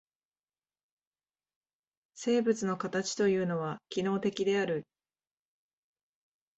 生物の形というのは機能的である。